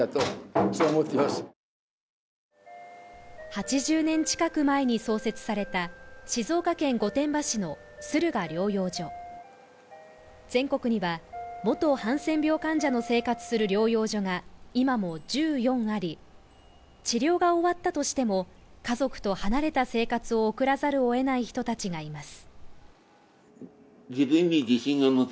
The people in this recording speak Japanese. ８０年近く前に創設された静岡県御殿場市の駿河療養所全国には、元ハンセン病患者の生活療養所が今も１４あり、治療が終わったとしても、家族と離れた生活を送らざるを得ない人たちがいます。